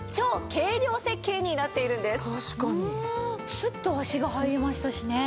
スッと足が入りましたしね。